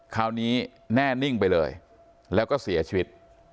คราวนี้แน่นิ่งไปเลยแล้วก็เสียชีวิต